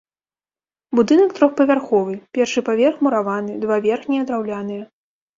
Будынак трохпавярховы, першы паверх мураваны, два верхнія драўляныя.